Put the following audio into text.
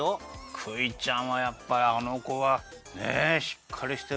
クイちゃんはやっぱりあのこはねえしっかりしてる。